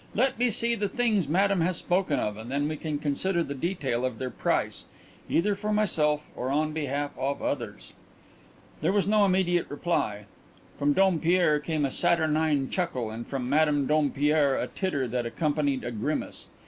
Let me see the things Madame has spoken of, and then we can consider the detail of their price, either for myself or on behalf of others." There was no immediate reply. From Dompierre came a saturnine chuckle and from Madame Dompierre a titter that accompanied a grimace.